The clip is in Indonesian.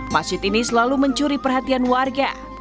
masjid ini selalu mencuri perhatian warga